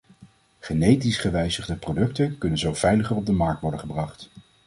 Genetisch gewijzigde producten kunnen zo veiliger op de markt worden gebracht.